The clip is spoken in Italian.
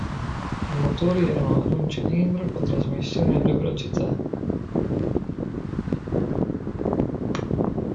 I motori erano ad un cilindro con trasmissione a due velocità.